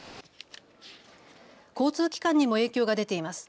交通機関にも影響が出ています。